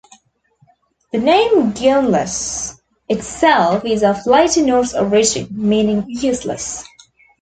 The name Gaunless itself is of later Norse origin, meaning useless.